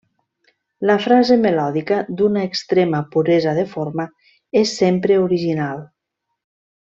La frase melòdica, d'una extrema puresa de forma, és sempre original.